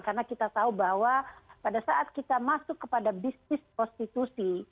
karena kita tahu bahwa pada saat kita masuk kepada bisnis prostitusi